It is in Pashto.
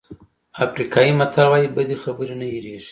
افریقایي متل وایي بدې خبرې نه هېرېږي.